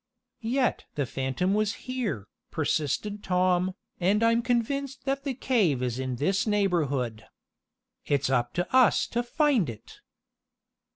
"Yet the phantom was here," persisted Tom, "and I'm convinced that the cave is in this neighborhood. It's up to us to find it!"